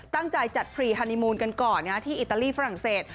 ตั้งใจจัดฟรีฮานีมูลกันก่อนที่อิตาลีฝรั่งเศส